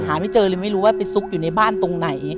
ไม่เจอเลยไม่รู้ว่าไปซุกอยู่ในบ้านตรงไหน